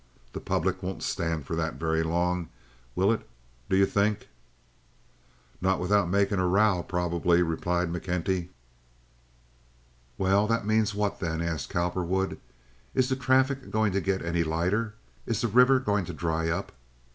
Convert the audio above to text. The public won't stand for that very long, will it, do you think?" "Not without making a row, probably," replied McKenty. "Well, that means what, then?" asked Cowperwood. "Is the traffic going to get any lighter? Is the river going to dry up?"